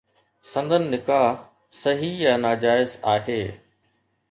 سندن نڪاح صحيح يا ناجائز آهي